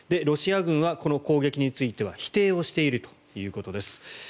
ロシア軍はこの攻撃については否定をしているということです。